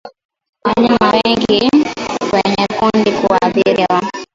wanyama wengi kwenye kundi huathiriwa